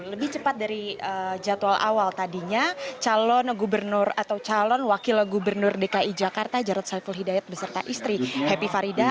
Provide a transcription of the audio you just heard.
lebih cepat dari jadwal awal tadinya calon gubernur atau calon wakil gubernur dki jakarta jarod saiful hidayat beserta istri happy farida